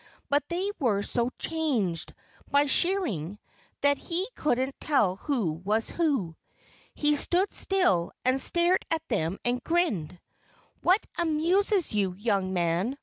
But they were so changed, by shearing, that he couldn't tell who was who. He stood still and stared at them and grinned. "What amuses you, young man?"